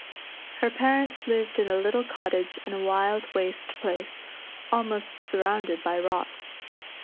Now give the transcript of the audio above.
Her parents lived in a little cottage in a wild waste place, almost surrounded by rocks.